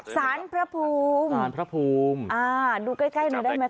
สารพระภูมิสารพระภูมิอ่าดูใกล้ใกล้หน่อยได้ไหม